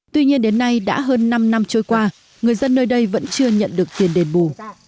tuy nhiên đến nay đã hơn năm năm trôi qua người dân nơi đây vẫn chưa nhận được tiền đền bù